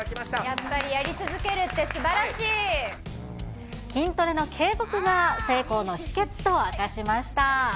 やっぱりやり続けるってすば筋トレの継続が成功の秘けつと明かしました。